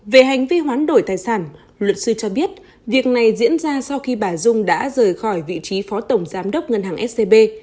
về hành vi hoán đổi tài sản luật sư cho biết việc này diễn ra sau khi bà dung đã rời khỏi vị trí phó tổng giám đốc ngân hàng scb